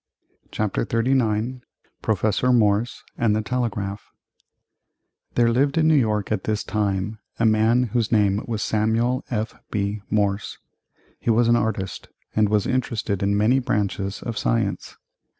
CHAPTER XXXIX PROFESSOR MORSE and the TELEGRAPH There lived in New York at this time a man whose name was Samuel F.B. Morse. He was an artist and was interested in many branches of science.